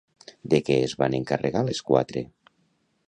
De què es van encarregar les quatre?